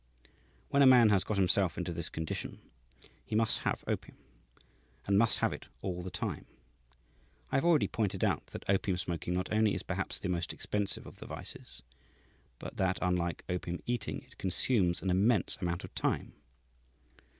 When a man has got himself into this condition, he must have opium, and must have it all the time. I have already pointed out that opium smoking not only is perhaps the most expensive of the vices, but that, unlike opium eating, it consumes an immense amount of time.